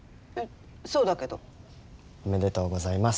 そうだけど。おめでとうございます。